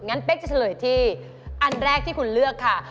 เป๊กจะเฉลยที่อันแรกที่คุณเลือกค่ะ